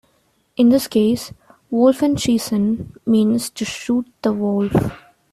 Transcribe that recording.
In this case, Wolfenschiessen means to shoot the wolf.